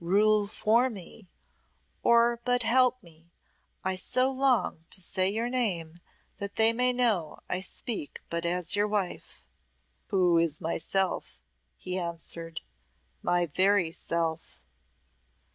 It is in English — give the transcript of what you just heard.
Rule for me, or but help me; I so long to say your name that they may know I speak but as your wife." "Who is myself," he answered "my very self."